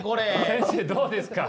先生どうですか？